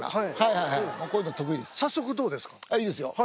いいですよ